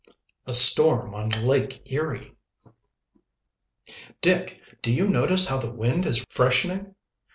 A STORM ON LAKE ERIE. "Dick, do you notice how the wind is freshening?"